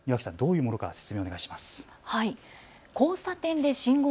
庭木さん、どういうものなのか説明をお願いします。